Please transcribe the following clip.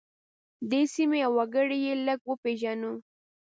دې سیمې او وګړي یې لږ وپیژنو.